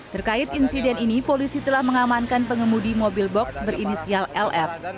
terkait insiden ini polisi telah mengamankan pengemudi mobil box berinisial lf